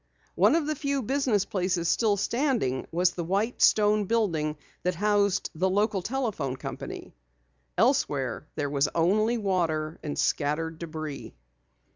One of the few business places still standing was the big white stone building that housed the local telephone company. Elsewhere there was only water and scattered debris.